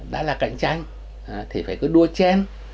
đã là cạnh tranh thì phải cứ đua chen